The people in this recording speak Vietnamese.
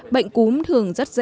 bệnh cúm thường rất dễ